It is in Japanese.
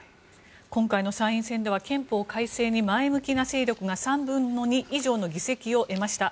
今回の参院選では憲法改正に前向きな勢力が３分の２以上の議席を得ました。